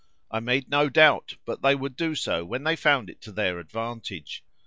I made no doubt but they would do so when they found it to their advantage.